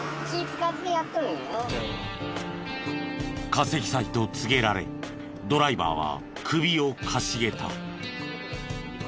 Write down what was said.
過積載と告げられドライバーは首をかしげた。